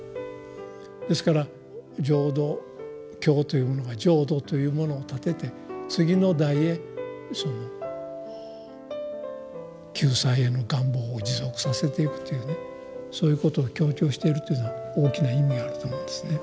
ですから浄土教というものが浄土というものを立てて次の代へその救済への願望を持続させていくというねそういうことを強調しているというのは大きな意味があると思うんですね。